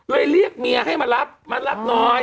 เรียกเมียให้มารับมารับหน่อย